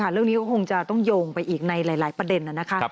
เรื่องนี้ก็คงจะต้องโยงไปอีกในหลายประเด็นนะคะ